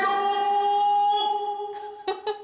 フフフ。